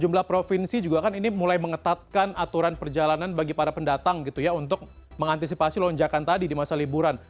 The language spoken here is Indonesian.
sejumlah provinsi juga kan ini mulai mengetatkan aturan perjalanan bagi para pendatang gitu ya untuk mengantisipasi lonjakan tadi di masa liburan